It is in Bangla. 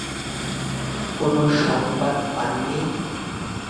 কোনো সংবাদ পাননি।